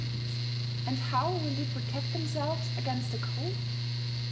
And how will they protect themselves against the cold